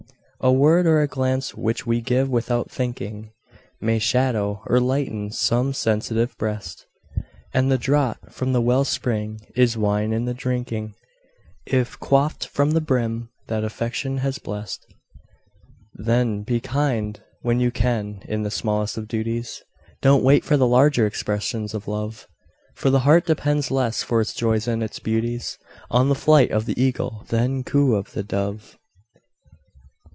A word or a glance which we give "without thinking", May shadow or lighten some sensitive breast; And the draught from the well spring is wine in the drinking, If quaffed from the brim that Affection has blest. Then be kind when you can in the smallest of duties, Don't wait for the larger expressions of Love; For the heart depends less for its joys and its beauties On the flight of the Eagle than coo of the Dove.